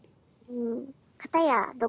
うん。